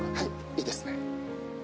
いいですね。